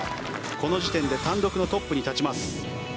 この時点で単独のトップに立ちます。